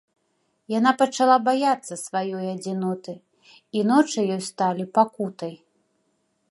Яна пачала баяцца сваёй адзіноты, і ночы ёй сталі пакутай.